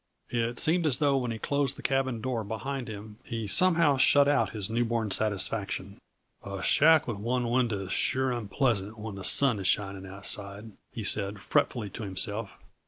It seemed as though, when he closed the cabin door behind him, he somehow shut out his newborn satisfaction. "A shack with one window is sure unpleasant when the sun is shining outside," he said fretfully to himself.